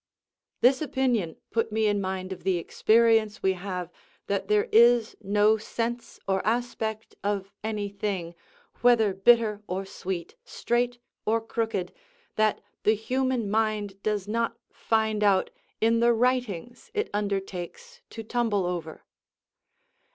This opinion put me in mind of the experience we have that there is no sense or aspect of any thing, whether bitter or sweet, straight or crooked, that the human mind does not find out in the writings it undertakes to tumble over.